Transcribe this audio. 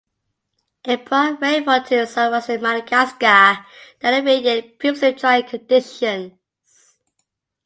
It brought rainfall to southwestern Madagascar that alleviated previously dry conditions.